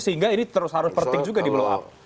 sehingga ini terus harus pertik juga di luar